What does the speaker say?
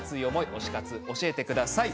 推し活を教えてください。